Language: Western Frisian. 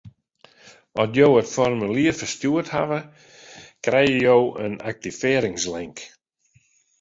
At jo it formulier ferstjoerd hawwe, krijge jo in aktivearringslink.